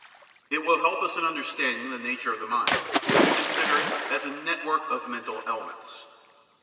It will help us in understand ing the nature of the mind to consider it as a network of mental elements.